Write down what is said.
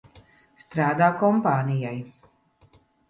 Strādā kompānijai.